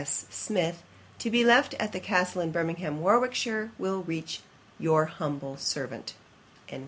Smith_, to be left at the Castle in Birmingham, Warwickshire, will reach 'Your humble servant.'